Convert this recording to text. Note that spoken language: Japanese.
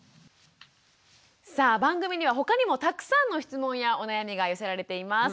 さあ番組には他にもたくさんの質問やお悩みが寄せられています。